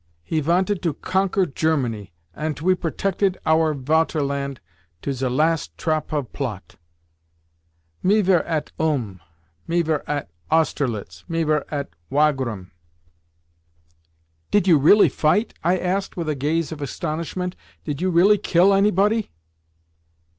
He vanted to conquer Germany, ant we protected our Vaterland to ze last trop of plot. Me vere at Ulm, me vere at Austerlitz, me vere at Wagram." "Did you really fight?" I asked with a gaze of astonishment "Did you really kill anybody?"